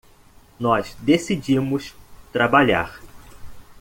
Nós decidimos trabalhar